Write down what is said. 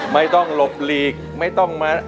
ไม่ต้องหลบหลีกไม่ต้องมา